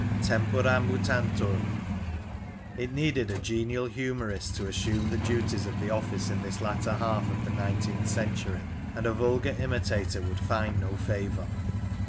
Tempora mutantur. It needed a genial humourist to assume the duties of the office in this latter half of the nine teenth century, and a vulgar imitator would find no favour.